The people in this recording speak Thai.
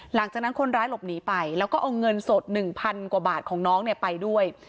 หลังจากนั้นคนร้ายหลบหนีไปแล้วก็เอาเงินสด๑๐๐กว่าบาทของน้องเนี่ยไปด้วย